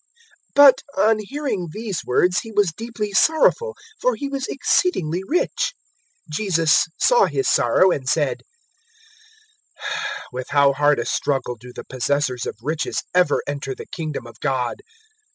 018:023 But on hearing these words he was deeply sorrowful, for he was exceedingly rich. 018:024 Jesus saw his sorrow, and said, "With how hard a struggle do the possessors of riches ever enter the Kingdom of God!